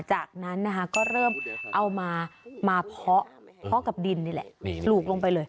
จากนั้นนะคะก็เริ่มเอามาเพาะกับดินนี่แหละปลูกลงไปเลย